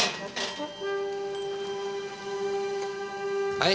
はい！